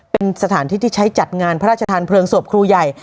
เป็นสถานที่ที่ใช้จัดงานพระราชทานเพลิงศพครูใหญ่